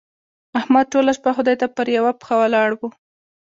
احمد ټوله شپه خدای ته پر يوه پښه ولاړ وو.